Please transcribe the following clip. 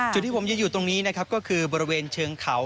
ที่ผมจะอยู่ตรงนี้นะครับก็คือบริเวณเชิงเขา